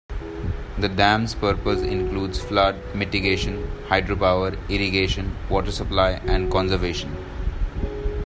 The dam's purpose includes flood mitigation, hydro-power, irrigation, water supply and conservation.